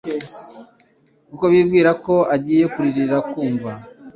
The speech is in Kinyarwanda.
kuko bibwiraga ko agiye kuririra ku mva.